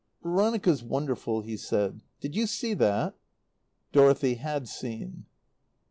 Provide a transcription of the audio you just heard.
"Veronica's wonderful," he said. "Did you see that?" Dorothy had seen.